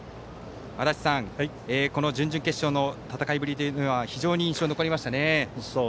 足達さん、準々決勝の戦いぶりは非常に印象に残りましたね。